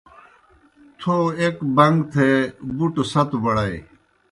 تھو ایْک بݩگ تھے بُٹوْ ستوْ بڑائے۔